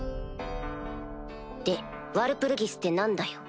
でワルプルギスって何だよ。